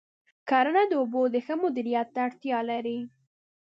کرنه د اوبو د ښه مدیریت ته اړتیا لري.